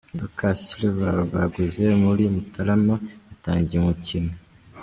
Lucas Silva baguze muri Mutarama yatangiye umukino.